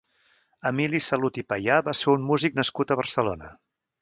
Emili Salut i Payà va ser un músic nascut a Barcelona.